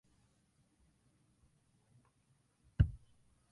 Ĉi tiu procesoroj estas la plej uzataj procesoroj en persona komputilo.